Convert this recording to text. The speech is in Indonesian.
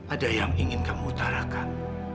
ada yang ingin kamu utarakan